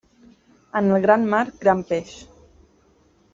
En el gran mar, gran peix.